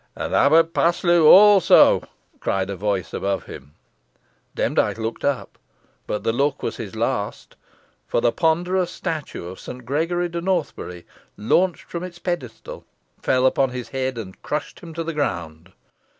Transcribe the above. "And Abbot Paslew, also," cried a voice above him. Demdike looked up, but the look was his last, for the ponderous statue of Saint Gregory de Northbury, launched from its pedestal, fell upon his head, and crushed him to the ground.